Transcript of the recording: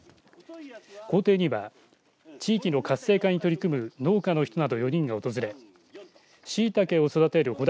校庭には地域の活性化に取り組む農家の人など４人が訪れしいたけを育てるほだ